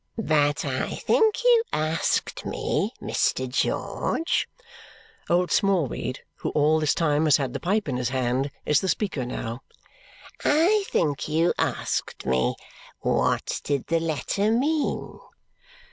"But I think you asked me, Mr. George" old Smallweed, who all this time has had the pipe in his hand, is the speaker now "I think you asked me, what did the letter mean?"